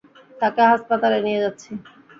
তাকে হাসপাতালে নিয়ে যাচ্ছি।